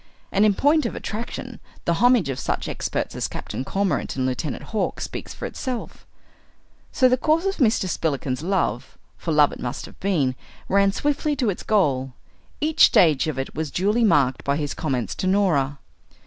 And in point of attraction the homage of such experts as Captain Cormorant and Lieutenant Hawk speaks for itself. So the course of Mr. Spillikins's love, for love it must have been, ran swiftly to its goal. Each stage of it was duly marked by his comments to Norah.